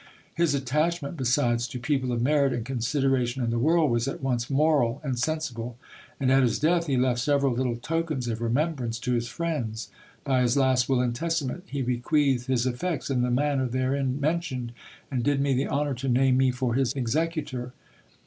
His attachment besides to people of merit and consideration in the world was at once moral and sensible ; and at his death he left several little tokens of remem brance to his friends. By his last will and testament, he bequeathed his effects in the manner therein mentioned, and did me the honour to name me for his executor.